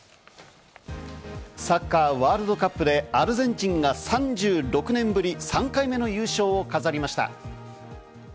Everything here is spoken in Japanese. サッカーワールドカップでアルゼンチンが３６年ぶり、３回目の優勝を飾りました。